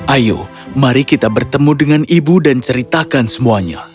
ayo mari kita bertemu dengan ibu dan ceritakan semuanya